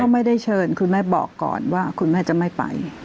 ไม่ได้เชิญคุณแม่บอกก่อนว่าคุณแม่จะไม่ไป